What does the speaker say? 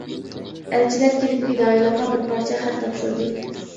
ئەلچىلەر كېلىپ پىدائىيلارغا بىر پارچە خەت تاپشۇردى.